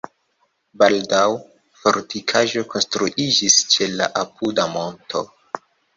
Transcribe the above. Baldaŭe fortikaĵo konstruiĝis ĉe la apuda monto.